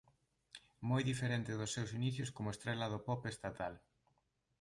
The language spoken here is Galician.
Moi diferente dos seus inicios como estrela do pop estatal.